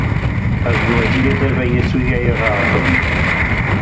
Ez bi Wezîrê Derve yê Sûriye re axivîm.